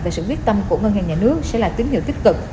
và sự quyết tâm của ngân hàng nhà nước sẽ là tính nhu kích cực